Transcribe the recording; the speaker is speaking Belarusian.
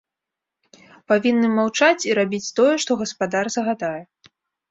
Павінны маўчаць і рабіць тое, што гаспадар загадае.